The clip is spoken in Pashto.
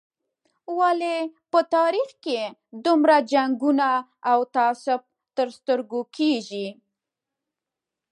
ولې په تاریخ کې دومره جنګونه او تعصب تر سترګو کېږي.